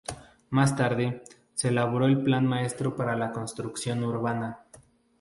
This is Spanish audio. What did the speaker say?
Más tarde, se elaboró el Plan Maestro para la construcción urbana.